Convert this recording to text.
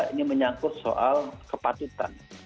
ini menyangkut soal kepatutan